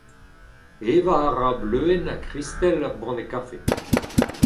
Evañ a ra Bleuenn ha Kristell ur banne kafe.